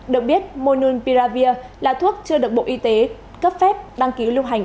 được biết monunpiravir là thuốc chưa được bộ y tế cấp phép đăng ký lưu hành ở việt nam